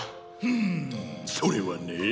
んそれはねえ？